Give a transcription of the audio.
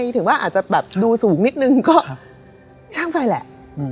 ถึงว่าอาจจะแบบดูสูงนิดนึงก็ช่างไฟแหละ